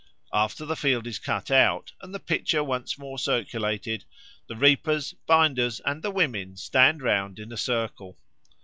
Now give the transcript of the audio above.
After the field is cut out, and the pitcher once more circulated, the reapers, binders, and the women stand round in a circle.